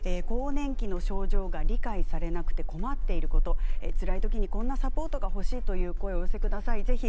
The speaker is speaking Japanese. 更年期の症状が理解されなくて困っていることつらいときにこんなサポートが欲しいという声をお寄せください。